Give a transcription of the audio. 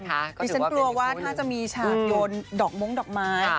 ก็ถือว่าเป็นคู่หนึ่งฉันกลัวว่าถ้าจะมีฉากโดนดอกม้องดอกม้า